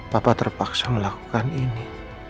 papa terpaksa melakukan ini